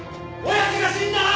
親父が死んだ！